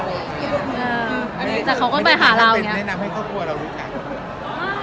แต่เขาก็ไปหาเราเนี่ย